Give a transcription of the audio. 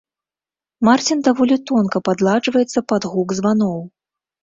Марцін даволі тонка падладжваецца пад гук званоў.